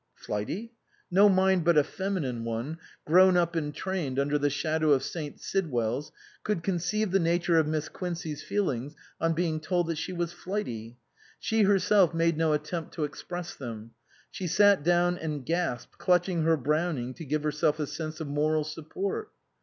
Flighty ? No mind but a feminine one, grown up and trained under the shadow of St. Sid well's, could conceive the nature of Miss Quin cey's feelings on being told that she was flighty. She herself made no attempt to express them. She sat down and gasped, clutching her Brown ing to give herself a sense of moral support.